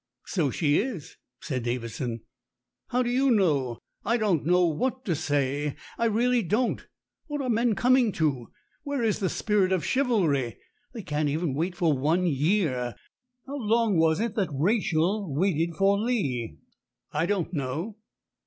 "So she is," said Davidson. "How do you know ? I don't know what to say. I really don't. What are men coming to ? Where is the spirit of chivalry? They can't even wait for one year. How long was it that Rachel waited for Leah ?" "I don't know."